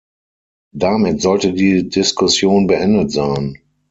Damit sollte die Diskussion beendet sein.